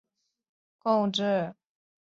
本区议席一直为保守党控制。